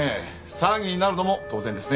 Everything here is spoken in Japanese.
騒ぎになるのも当然ですね。